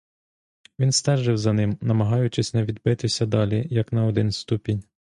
Він стежив за ним, намагаючись не відбитися далі як на один ступінь.